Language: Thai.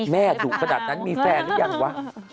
แม่ถูกขนาดนั้นมีแฟนหรือยังวะ